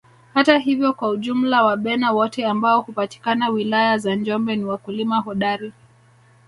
Hata hivyo kwa ujumla Wabena wote ambao hupatikana wilaya za Njombe ni wakulima hodari